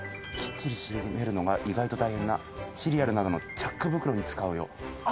きっちり閉めるのが意外に大変なシリアルなどのチャック袋に使うよ。